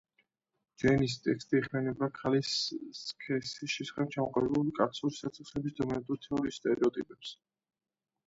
ჯეინის ტექსტი ეხმიანება ქალის სქესის შესახებ ჩამოყალიბებულ კაცური საწყისის დომინანტურ თეორიის სტერეოტიპებს.